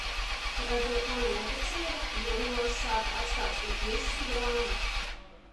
Redzot manu neticību, juniors sāka atstāstīt visu grāmatu.